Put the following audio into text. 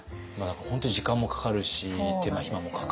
本当に時間もかかるし手間暇もかかる。